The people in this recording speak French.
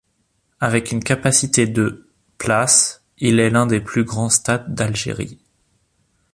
Avec une capacité de places, il est l'un des plus grands stades d'Algérie.